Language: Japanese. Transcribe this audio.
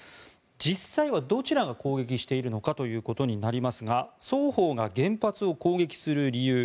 実際はどちらが攻撃しているのかということになりますが双方が原発を攻撃する理由